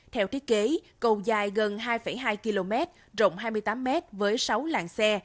theo thiết kế cầu dài gần hai hai km rộng hai mươi tám m với sáu làng xe